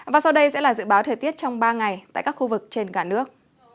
và sau đây sẽ là dự báo thời tiết trong ba ngày tại các khu vực trên cả nước